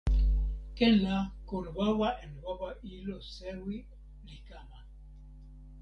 ken la kon wawa en wawa ilo sewi li kama.